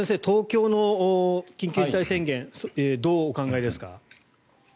東京の緊急事態宣言どうお考えですか。